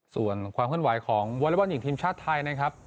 ส่วนความเคลื่อนไหวของวอเล็กบอลหญิงทีมชาติไทยนะครับ